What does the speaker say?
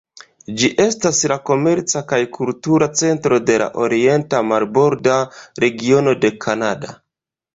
Ĝi estas la komerca kaj kultura centro de la orienta marborda regiono de Kanada.